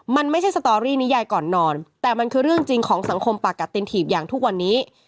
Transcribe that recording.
มันไม่ใช่สตอรี่นิยายก่อนนอนแต่มันคือเรื่องจริงของสังคมปากกะตินถีบอย่างทุกวันนี้